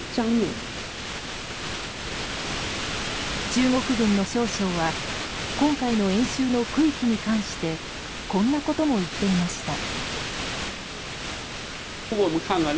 中国軍の少将は今回の演習の区域に関してこんなことも言っていました。